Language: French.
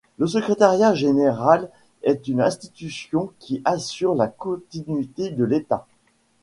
Le secrétariat général est une institution qui assure la continuité de l'État.